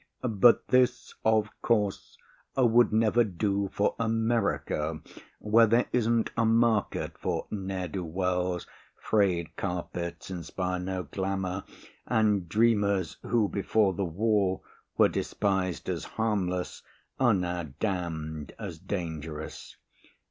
But this, of course, would never do for America where there isn't a market for ne'er do wells, frayed carpets inspire no glamour, and dreamers who before the war were despised as harmless, are now damned as dangerous.